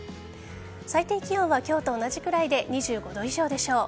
最低気温は今日と同じくらいで２５度以上でしょう。